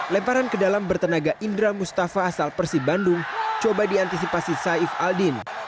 lemparan ke dalam bertenaga indra mustafa asal persi bandung coba diantisipasi saif aldin